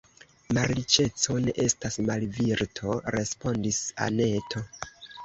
Malriĉeco ne estas malvirto, respondis Anneto.